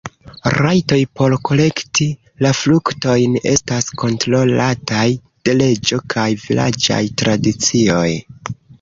Rajtoj por kolekti la fruktojn estas kontrolataj de leĝo kaj vilaĝaj tradicioj.